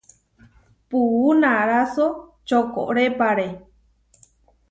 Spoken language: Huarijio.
Puú naráso čokorépare.